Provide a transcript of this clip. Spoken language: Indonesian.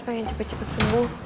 pengen cepet cepet sembuh